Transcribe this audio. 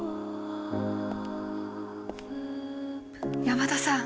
山田さん。